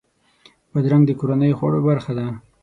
بادرنګ د کورنیو خوړو برخه ده.